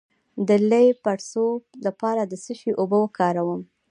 د لۍ د پړسوب لپاره د څه شي اوبه وکاروم؟